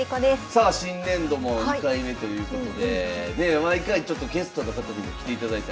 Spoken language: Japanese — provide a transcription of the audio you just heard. さあ新年度も２回目ということで毎回ちょっとゲストの方にも来ていただいたりなんかして。